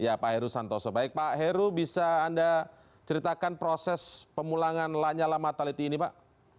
ya pak heru santoso baik pak heru bisa anda ceritakan proses pemulangan lanyala mataliti ini pak